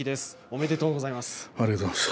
おめでとうございます。